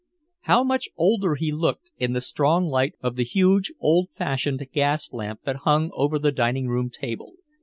How much older he looked, in the strong light of the huge old fashioned gas lamp that hung over the dining room table.